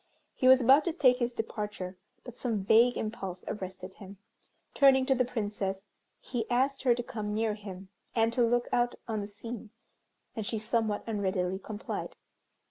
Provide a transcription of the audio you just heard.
He was about to take his departure, but some vague impulse arrested him. Turning to the Princess, he asked her to come near him, and to look out on the scene, and she somewhat unreadily complied.